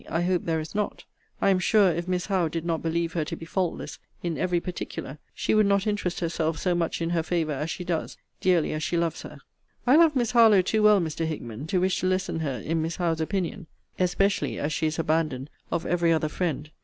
I hope there is not. I am sure, if Miss Howe did not believe her to be faultless in every particular, she would not interest herself so much in her favour as she does, dearly as she loves her. I love Miss Harlowe too well, Mr. Hickman, to wish to lessen her in Miss Howe's opinion; especially as she is abandoned of every other friend.